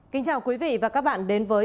kính chào quý vị và các bạn đến với